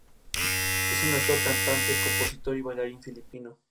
En el club ocupó la posición de volante de creación.